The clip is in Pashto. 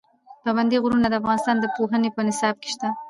پابندي غرونه د افغانستان د پوهنې په نصاب کې شته.